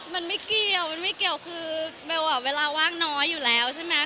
มันไม่เกี่ยวมันไม่เกี่ยวคือเบลเวลาว่างน้อยอยู่แล้วใช่ไหม